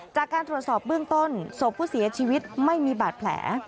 จากการตรวจสอบเบื้องต้นศพผู้เสียชีวิตไม่มีบาดแผล